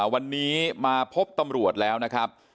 วันนี้มาพบตำรวจแล้วนะครับ